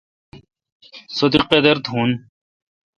سو تی قادر تھون۔